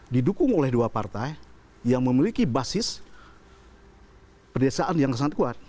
didukung oleh dua partai yang memiliki basis pedesaan yang sangat kuat